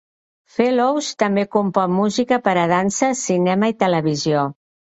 Fellows també compon música per a dansa, cinema i televisió.